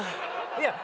いや